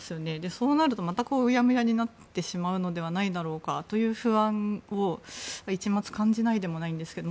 そうなると、またうやむやになってしまうのではないかという不安を一抹感じないでもないんですけど